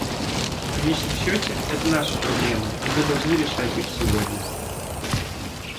В конечном счете, это наши проблемы и мы должны решать их сегодня.